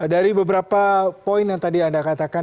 dari beberapa poin yang tadi anda katakan